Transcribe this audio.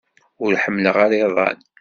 Ur ḥemmleɣ ara iḍan.